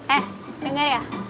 eh denger ya